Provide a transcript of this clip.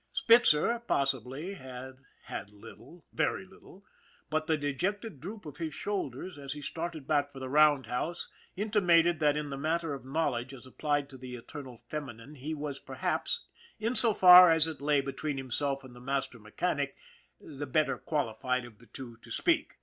Spitzer, possibly, had had little, very little, but the dejected droop of his shoulders, as he started back for the roundhouse, inti mated that in the matter of knowledge as applied to the eternal feminine he was perhaps, in so far as it lay be tween himself and the master mechanic, the better qualified of the two to speak.